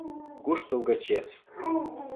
Куштылго чес!